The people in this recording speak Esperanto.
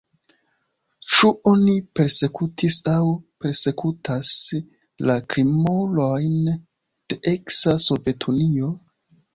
Ĉu oni persekutis aŭ persekutas la krimulojn de eksa Sovetunio?